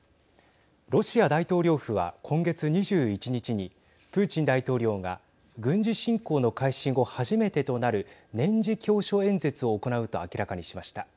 ロシア大統領府は今月２１日にプーチン大統領が軍事侵攻の開始後初めてとなる年次教書演説を行うと明らかにしました。